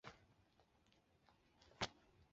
当年的冠军是梅艳芳。